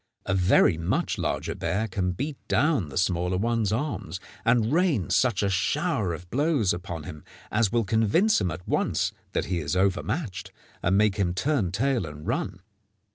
A very much larger bear can beat down the smaller one's arms, and rain such a shower of blows upon him as will convince him at once that he is overmatched, and make him turn tail and run.